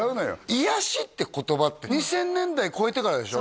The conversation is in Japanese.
癒やしって言葉って２０００年代こえてからでしょ？